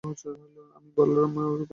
আমি বলরামের উপর খুব বিরক্ত হলাম।